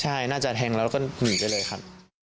ใช่น่าจะแทงแล้วแล้วก็หนีไปเลยครับ